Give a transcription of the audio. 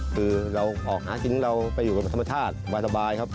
คือเราออกหากินเราไปอยู่กับธรรมชาติสบายครับ